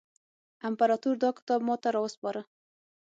امپراطور دا کتاب ماته را وسپاره.